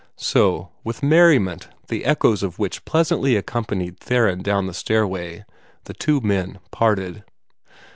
So, with merriment the echoes of which pleasantly accompanied Theron down the stairway, the two men parted.